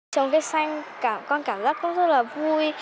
trồng cây xanh con cảm giác rất là vui